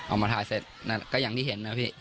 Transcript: เอามาถ่ายเสร็จก็อย่างที่เห็นนะพี่